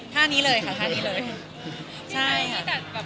ท่านี้เลยค่ะ